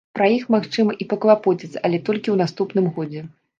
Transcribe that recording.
Пра іх, магчыма, і паклапоцяцца, але толькі ў наступным годзе.